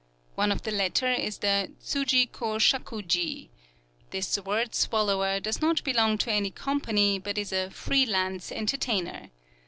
One of the latter is the Tsuji kô shâku ji. This word swallower does not belong to any company, but is a "free lance" entertainer.